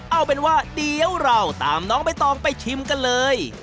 เอาเป็นว่าเดี๋ยวเราตามน้องใบตองไปชิมกันเลย